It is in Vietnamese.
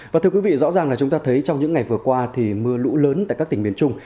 và thưa quý vị rõ ràng là chúng ta thấy trong những ngày vừa qua thì mưa lũ lớn tại các tỉnh miền trung